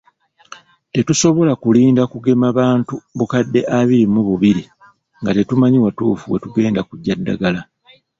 Tetusobola kulinda kugema bantu bukadde abiri mu bubiri nga tetumanyi watuufu we tugenda kuggya ddagala.